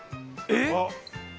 えっ！